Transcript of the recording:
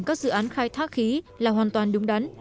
các dự án khai thác khí là hoàn toàn đúng đắn